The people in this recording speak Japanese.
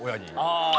ああ！